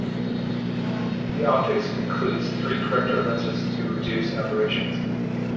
The optics includes three corrector lenses to reduce aberrations.